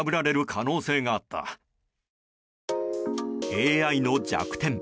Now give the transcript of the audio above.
ＡＩの弱点。